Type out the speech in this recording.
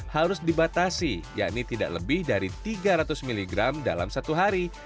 harus dibatasi yakni tidak lebih dari tiga ratus miligram dalam satu hari